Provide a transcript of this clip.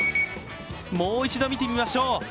もう一度見てみましょう。